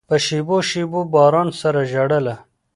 په شېبو، شېبو باران سره ژړله